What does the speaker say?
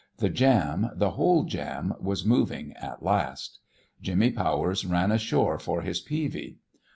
The jam, the whole jam, was moving at last. Jimmy Powers ran ashore for his peavie.